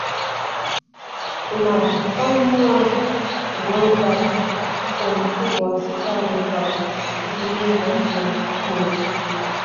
Unaofanywa na Kiwanda cha Mtibwa sukari kwa kutumia maji ya mto huo